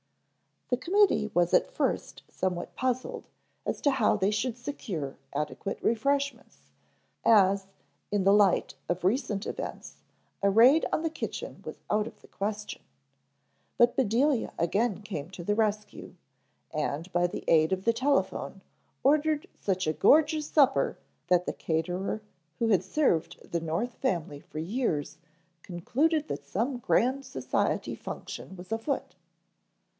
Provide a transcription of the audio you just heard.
The committee was at first somewhat puzzled as to how they should secure adequate refreshments, as, in the light of recent events, a raid on the kitchen was out of the question. But Bedelia again came to the rescue, and by the aid of the telephone ordered such a gorgeous supper that the caterer who had served the North family for years concluded that some grand society function was afoot.